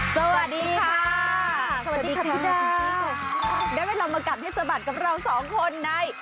สวัสดีค่ะสวัสดีค่ะพี่แจ๊กได้เวลามากัดให้สะบัดกับเราสองคนใน